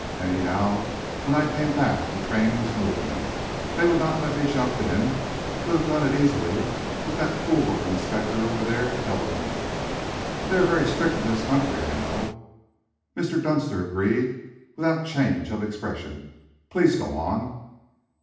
Anyhow, when I came back the train was moving. They would not let me jump in. I could have done it easily, but that fool of an inspector over there held me." "They are very strict in this country, I know." Mr. Dunster agreed, without change of expression. "Please go on."